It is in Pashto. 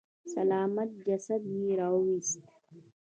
سلامت جسد يې راويست.